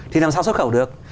thì làm sao xuất khẩu được